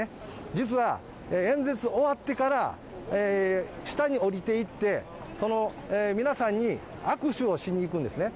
実は演説終わってから、下に下りていって、その皆さんに握手をしに行くんですね。